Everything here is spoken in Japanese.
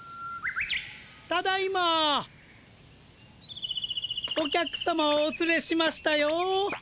ただいま！お客さまをおつれしましたよ。